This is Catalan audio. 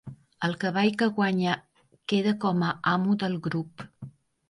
El cavall que guanya queda com a amo del grup.